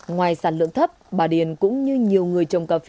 ngoài sản lượng thấp bà điền cũng như nhiều người trồng cà phê